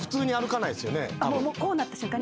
こうなった瞬間に。